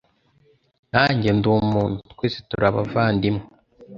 Nanjye ndi umuntu, twese turi abavandimwe.